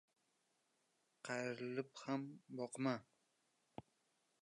Qayrilib ham boqma.